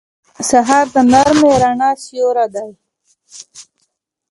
سهار د نرمې رڼا سیوری دی.